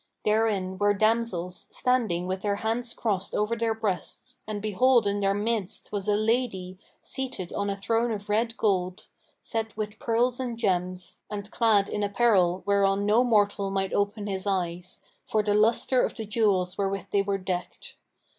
Therein were damsels standing with their hands crossed over their breasts and, behold in their midst was a lady seated on a throne of red gold, set with pearls and gems, and clad in apparel whereon no mortal might open his eyes, for the lustre of the jewels wherewith they were decked.